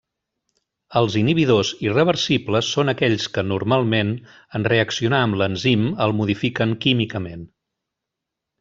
Els inhibidors irreversibles són aquells que, normalment, en reaccionar amb l'enzim el modifiquen químicament.